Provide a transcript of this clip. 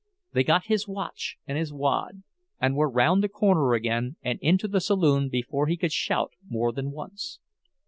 They got his watch and his "wad," and were round the corner again and into the saloon before he could shout more than once.